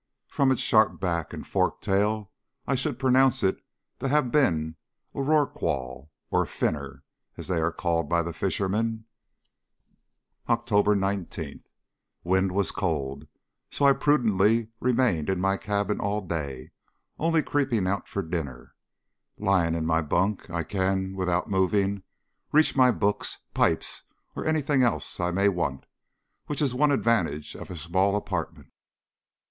From its sharp back and forked tail, I should pronounce it to have been a rorqual, or "finner," as they are called by the fishermen. October 19. Wind was cold, so I prudently remained in my cabin all day, only creeping out for dinner. Lying in my bunk I can, without moving, reach my books, pipes, or anything else I may want, which is one advantage of a small apartment.